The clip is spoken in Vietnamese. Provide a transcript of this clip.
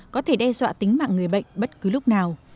có thể đe dọa tính mạng người bệnh bất cứ lúc nào